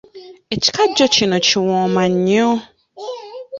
Ekikajjo kino kiwooma nnyo.